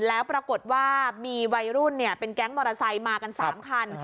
แล้วปรากฏว่ามีวัยรุ่นเป็นแก๊งมอเตอร์ไซค์มากัน๓คัน